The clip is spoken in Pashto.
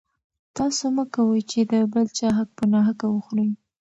تاسو مه کوئ چې د بل چا حق په ناحقه وخورئ.